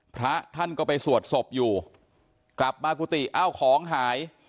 พระท่านก็ไปสวดศพอยู่กลับมากุฏิเอ้าของหาย